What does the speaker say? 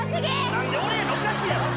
何で俺やねんおかしいやろ！